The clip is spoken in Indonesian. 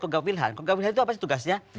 kogab wilhan kogab wilhan itu apa sih tugasnya